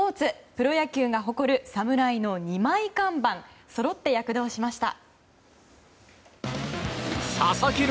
プロ野球が誇る侍の２枚看板そろって躍動しました。